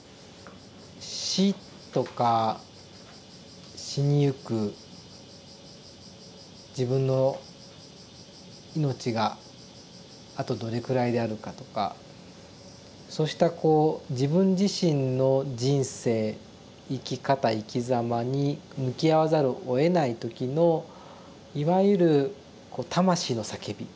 死とか死にゆく自分の命があとどれくらいであるかとかそうしたこう自分自身の人生生き方生きざまに向き合わざるをえない時のいわゆるこう魂の叫び。